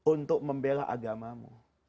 untuk membela agamamu